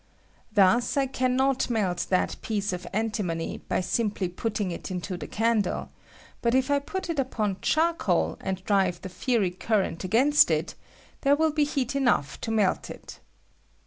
Thus I can not melt that piece of antimony by simply putting it into the candle ; but if I put it upon charcoal and drive the fiery current against it, there will be heat enough to melt it.